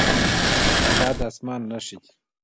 باد د اسمان نښې بدلوي